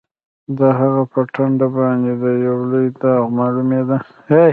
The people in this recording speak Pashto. د هغه په ټنډه باندې یو لوی داغ معلومېده